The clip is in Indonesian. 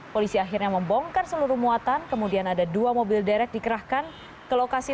polisi akhirnya membongkar seluruh muatan kemudian ada dua mobil derek dikerahkan ke lokasi